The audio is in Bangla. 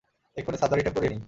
এক্ষুনি সার্জারিটা করিয়ে নিই!